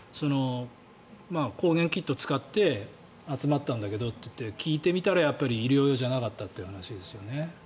抗原キットを使って集まったんだけどと聞いて聞いてみたらやっぱり医療用じゃなかったという話ですよね。